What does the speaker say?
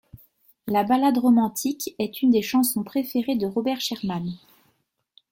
La balade romantique ' est une des chansons préférées de Robert Sherman.